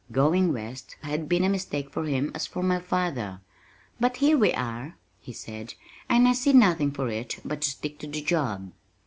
"Going west" had been a mistake for him as for my father "But here we are," he said, "and I see nothing for it but to stick to the job."